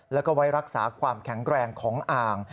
แล้วก็ไว้รักษาความแข็งแรงของอ่าง